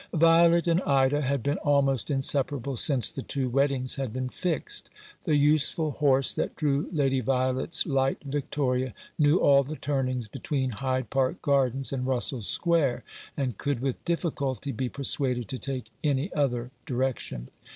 Violet and Ida had been almost inseparable since the two weddings had been fixed. The useful horse that drew Lady Violet's light victoria knew all the turnings between Hyde Park Gardens and Russell Square, and could with difficulty be persuaded to take any other direction.